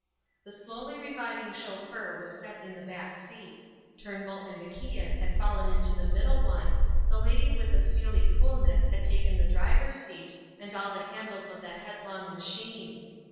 The slowly reviving chauffeur was set in the back seat; Turnbull and MacIan had fallen into the middle one; the lady with a steely coolness had taken the driver's seat and all the handles of that headlong machine.